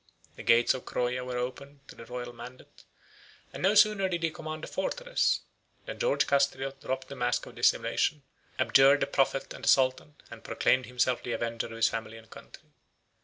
The gates of Croya were opened to the royal mandate; and no sooner did he command the fortress, than George Castriot dropped the mask of dissimulation; abjured the prophet and the sultan, and proclaimed himself the avenger of his family and country.